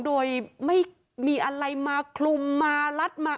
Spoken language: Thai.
โดยไม่มีอะไรมาคลุมมารัดมา